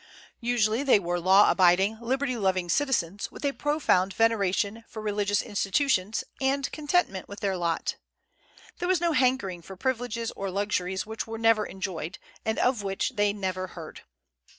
Usually they were law abiding, liberty loving citizens, with a profound veneration for religious institutions, and contentment with their lot. There was no hankering for privileges or luxuries which were never enjoyed, and of which they never heard.